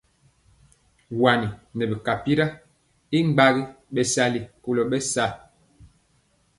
Wani nɛ bi tyapira y gbagi bɛ sali kolo bɛsa.